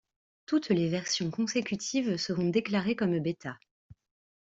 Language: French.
Toutes les versions consécutives seront déclarées comme Beta.